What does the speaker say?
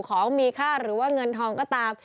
ของมีค่าหรือว่าเงินทองก็ตาม